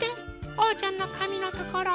おうちゃんのかみのところ。